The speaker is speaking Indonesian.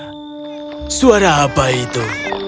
ya suara apa itu